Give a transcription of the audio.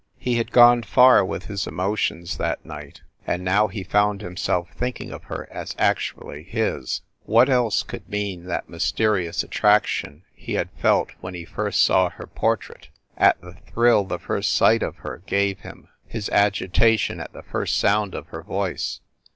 He had gone far with his emotions that night, and now he found himself thinking of her as actually his. What else could mean that mysterious attraction he had felt when he first saw her portrait? at the thrill the first sight of her gave him? his agitation at trie first sound of her voice?